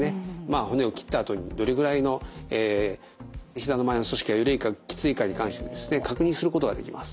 骨を切ったあとにどれぐらいのひざの前の組織が緩いかきついかに関してですね確認することができます。